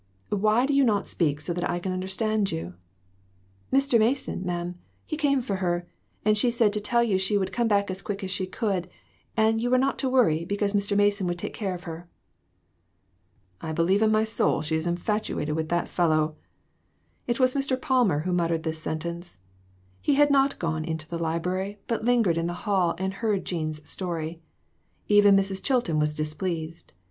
Why do you not speak so that I can understand you?" "Mr. Mason, ma'am he came for her; and she said to tell you she would come back as quick as she could ; and you were not to worry, because Mr. Mason would take care of her." "I believe in my soul she is infatuated with that fellow !" It was Mr. Palmer who muttered this sentence ; he had not gone to the library, but lingered in the hall and heard Jean's story. Even Mrs. Chil ton was displeased.